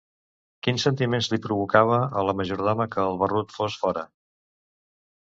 Quins sentiments li provocava a la majordona que el barrut fos fora?